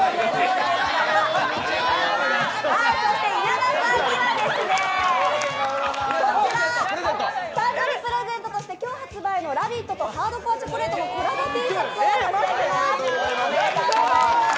稲田さんには誕生日プレゼントとして今日発売の「ラヴィット！」とハードコアチョコレートのコラボＴシャツを差し上げます。